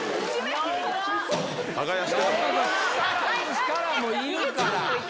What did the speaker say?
力もいるから。